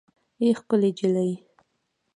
اې ښکلې نجلۍ